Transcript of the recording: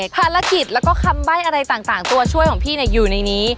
ภารกิจแล้วก็คำใบ้อะไรต่างตัวช่วยของพี่อยู่ในนี้